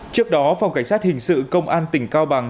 trước đó phòng cảnh sát hình sự công an tỉnh cao bằng